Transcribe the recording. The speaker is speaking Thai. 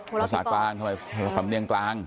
ภูมิภาษากลางสำเนียงกลาง